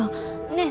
ねえ